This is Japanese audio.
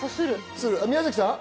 宮崎さん。